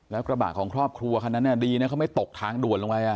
แล้วกระบะของครอบครัวคันนั้นดีนะเขาไม่ตกทางด่วนลงไป